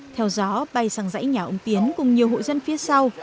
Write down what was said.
theo dõi bay sang dãy nhà ông tiến cùng nhiều hộ dân phía sau